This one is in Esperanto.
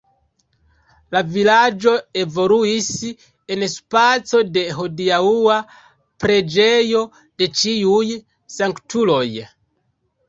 La vilaĝo evoluis en spaco de hodiaŭa preĝejo de Ĉiuj sanktuloj.